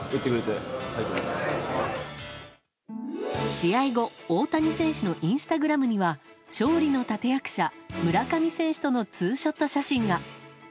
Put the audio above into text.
試合後、大谷選手のインスタグラムには勝利の立役者村上選手とのツーショット写真が。